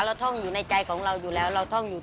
คิกคิกคิกคิกคิกคิกคิกคิก